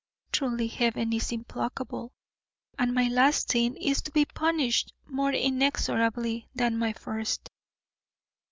Truly Heaven is implacable and my last sin is to be punished more inexorably than my first.